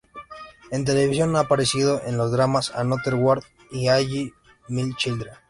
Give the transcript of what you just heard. En televisión ha aparecido en los dramas "Another World" y "All My Children".